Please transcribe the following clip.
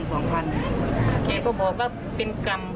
แกก็บอกว่าเป็นกรรม